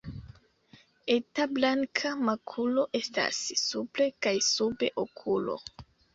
Eta blanka makulo estas supre kaj sube okulo.